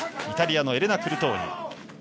イタリアのエレナ・クルトーニ。